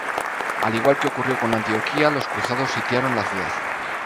Al igual que ocurrió con Antioquía, los cruzados sitiaron la ciudad.